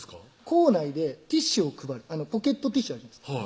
校内でティッシュを配るポケットティッシュあるじゃないですか